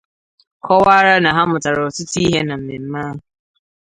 kọwara na ha mụtàrà ọtụtụ ihe na mmemme ahụ